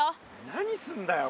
何すんだよ？